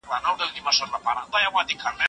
تر څو چې علت نه وي معلوم ستونزه نه حلیږي.